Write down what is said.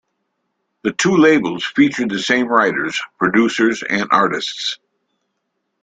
The two labels featured the same writers, producers and artists.